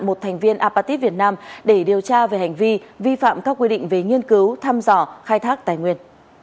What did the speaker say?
một thành viên apatit việt nam để điều tra về hành vi vi phạm các quy định về nghiên cứu thăm dò khai thác tài nguyên